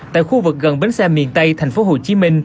tại khu vực gần bến xe miền tây tp hcm